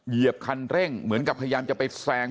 เหยียบคันเร่งเหมือนกับพยายามจะไปแซง